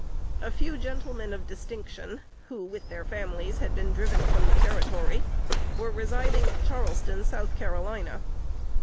A few gentlemen of distinction, who, with their families, had been driven from the Territory, were residing at Charleston, South Carolina.